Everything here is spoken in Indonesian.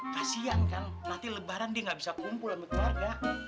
kasian kan nanti lebaran dia nggak bisa kumpul sama keluarga